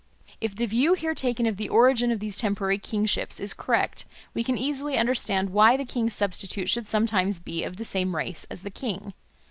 If the view here taken of the origin of these temporary kingships is correct, we can easily understand why the king's substitute should sometimes be of the same race as the king.